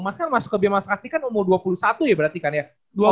mas kan masuk ke bmas kastri kan umur dua puluh satu ya berarti kan ya